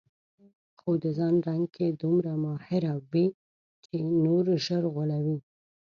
خو د ځان رنګ کې دومره ماهره وي چې نور ژر غولوي.